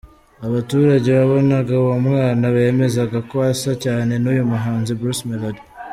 Abaturage babonaga uwo mwana, bemezaga ko asa cyane n'uyu muhanzi Bruce Melodie.